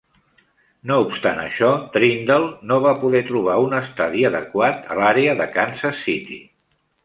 No obstant això, Trindle no va poder trobar un estadi adequat a l'àrea de Kansas City.